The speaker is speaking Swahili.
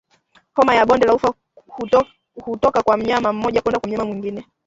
Homa ya bonde la ufa hutoka kwa mnyama mmoja kwenda kwa mnyama mwingine